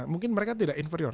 mungkin mereka tidak inferior